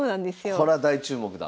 これは大注目だ。